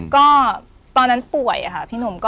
ก็ตอนนั้นป่วยค่ะพี่หนุ่ม